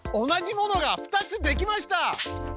同じものが２つできました。